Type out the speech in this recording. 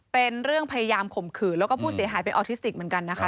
เป็นเรื่องพยายามข่มขืนแล้วก็ผู้เสียหายเป็นออทิสติกเหมือนกันนะคะ